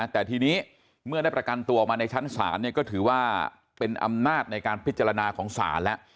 แต่ทีนี้เมื่อได้ประกันตัวออกมาในชั้นศาลก็ถือว่าเป็นอำนาจในการพิจารณาของศาลแล้ว